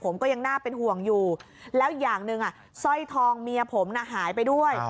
แล้วอย่างหนึ่งซ่อยทองเมียผมหายไปด้วย